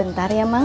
sebentar ya mang